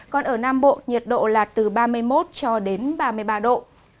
còn ở nam bộ nhiệt độ là từ ba mươi một cho đến ba mươi ba độ